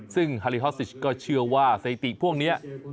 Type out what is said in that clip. ซึ่งฮาลิฮอสซิชก็เชื่อว่าสถิติพวกนี้